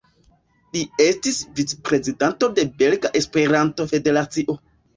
Li estis vic-prezidanto de Belga Esperanto-Federacio.